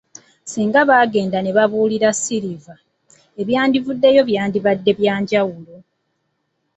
Singa baagenda ne babuulira Silver, ebyandifuddeyo byandibadde bya njawulo.